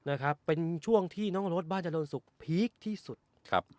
นะครับเป็นช่วงที่น้องรถบ้านเจริญสุขพีคที่สุดครับ